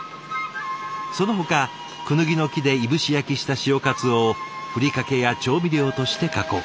そのほかクヌギの木でいぶし焼きした潮かつおをふりかけや調味料として加工。